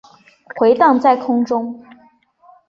回荡在空中